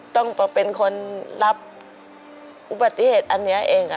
ต้องเป็นคนรับอุบัติเหตุอันนี้เอง